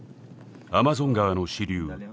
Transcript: アマゾン川の支流